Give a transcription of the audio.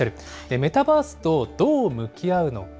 メタバースとどう向き合うのか。